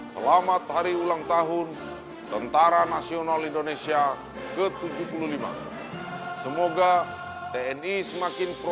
selamat hari ulang tahun tentara nasional indonesia mengucapkan